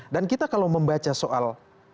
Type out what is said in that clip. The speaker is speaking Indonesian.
dan kita kalau membaca soal